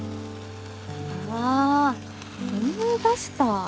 あぁ思い出した。